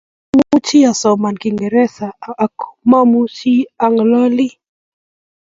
Amuchi asomani kiingerese aku mamuchi ang'oloni